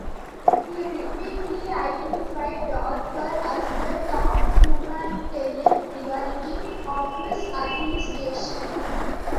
He repeatedly identified Darfur as the top humanitarian priority of his administration.